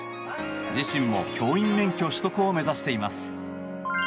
自身も教員免許獲得を目指しています。